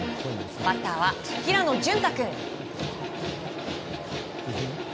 バッターは平野順大君。